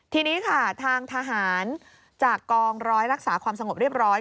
ทีนี้ค่ะทางทหารจากกองร้อยรักษาความสงบเรียบร้อย